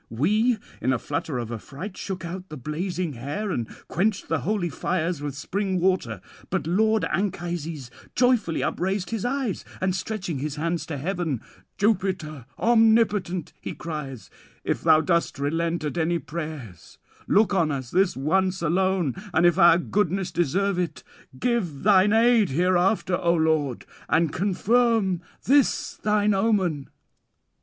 We in a flutter of affright shook out the blazing hair and quenched the holy fires with spring water. But lord Anchises joyfully upraised his eyes; and stretching his hands to heaven: "Jupiter omnipotent," he cries, "if thou dost relent at any prayers, look on us this once alone; and if our goodness deserve it, give thine aid hereafter, O lord, and confirm this thine omen."